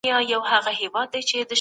پانګوال نظام د سود پر بنسټ دی.